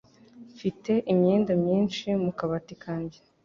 Mfite imyenda myinshi mu kabati kanjye.